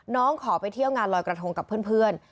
ขอไปเที่ยวงานลอยกระทงกับเพื่อน